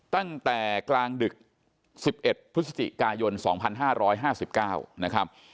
ตั้งแต่กลางดึก๑๑พฤศจิกายน๒๕๕๙นะครับ